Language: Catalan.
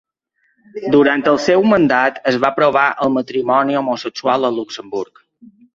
Durant el seu mandat es va aprovar el matrimoni homosexual a Luxemburg.